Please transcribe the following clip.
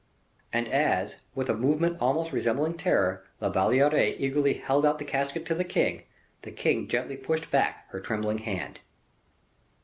And as, with a movement almost resembling terror, La Valliere eagerly held out the casket to the king, the king gently pushed back her trembling hand.